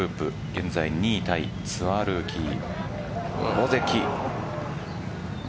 現在２位タイツアールーキー・尾関。